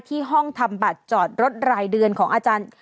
ที่ห้องทำบัตรจอดรถรายเดือนของอาจารย์